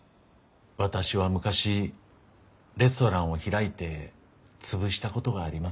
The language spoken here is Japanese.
私は昔レストランを開いて潰したことがあります。